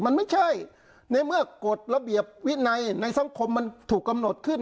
มันไม่ใช่ในเมื่อกฎระเบียบวินัยในสังคมมันถูกกำหนดขึ้น